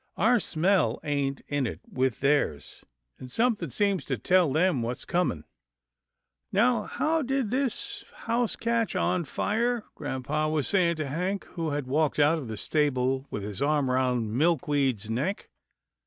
Our smell ain't in it with theirs, and something seems to tell them what's coming." " Now how did this house catch on fire ?" grampa was saying to Hank who had walked out of the stable with his arm round Milkweed's neck.